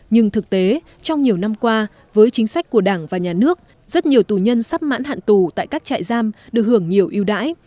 nhưng thực tế trong nhiều năm qua với chính sách của đảng và nhà nước rất nhiều tù nhân sắp mãn hạn tù tại các trại giam được hưởng nhiều yêu đãi